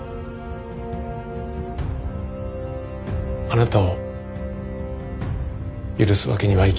あなたを許すわけにはいきません。